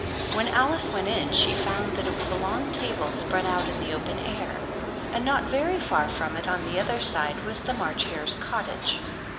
When Alice went in, she found that it was a long table spread out in the open air ; and not very far from it, on the other side, was the March Hare's cottage.